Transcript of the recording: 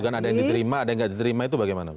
ada yang diterima ada yang nggak diterima itu bagaimana